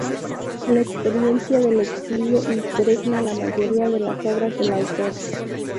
La experiencia del exilio impregna la mayoría de las obras del autor.